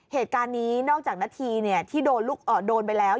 เหตุการณ์นี้นอกจากนาทีที่โดนไปแล้ว